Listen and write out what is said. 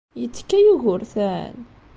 Yettekka Yugurten?